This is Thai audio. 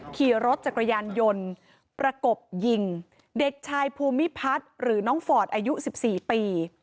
ขี่รถจักรยานยนต์ประกบยิงเด็กชายภูมิพัฒน์หรือน้องฟอร์ดอายุ๑๔ปี